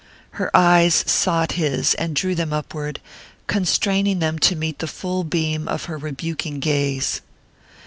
Her eyes sought his and drew them upward, constraining them to meet the full beam of her rebuking gaze.